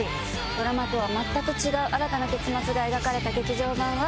ドラマとは全く違う新たな結末が描かれた劇場版は。